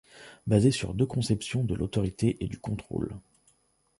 Basées sur deux conceptions de l'autorité et du contrôle.